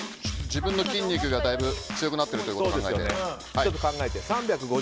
自分の筋肉がだいぶ強くなってることを考えて。